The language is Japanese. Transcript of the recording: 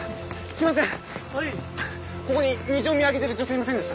すいません。